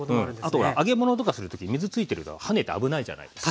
あとは揚げ物とかする時水ついてると跳ねて危ないじゃないですか。